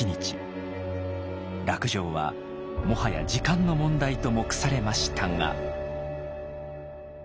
落城はもはや時間の問題と目されましたが。